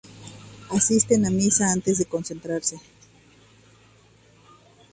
Asisten a misa antes de concentrarse.